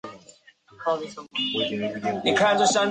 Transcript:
该组织的核心成员是法国的工人斗争。